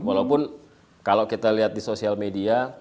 walaupun kalau kita lihat di sosial media